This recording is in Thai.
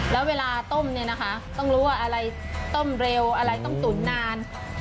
แล้วเวลาต้มเนี่ยนะคะต้องรู้ว่าอะไรต้มเร็วอะไรต้องตุ๋นนาน